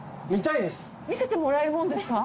見せてもらえるもんですか？